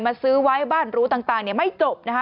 ซื้อไว้บ้านหรูต่างไม่จบนะคะ